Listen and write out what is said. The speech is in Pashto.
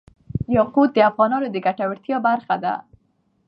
یاقوت د افغانانو د ګټورتیا برخه ده.